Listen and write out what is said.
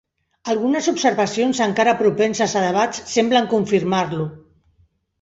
Algunes observacions encara propenses a debats semblen confirmar-lo.